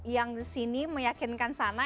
yang sini meyakinkan sana